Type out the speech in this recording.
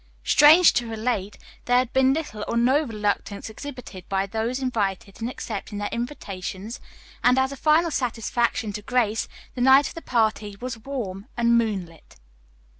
Strange to relate, there had been little or no reluctance exhibited by those invited in accepting their invitations, and as a final satisfaction to Grace the night of the party was warm and moonlit.